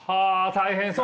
大変そう。